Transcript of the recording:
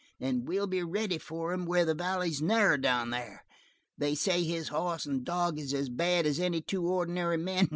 We'll be ready for him where the valley's narrow down there. They say his hoss and his dog is as bad as any two ordinary men.